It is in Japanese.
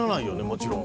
もちろん。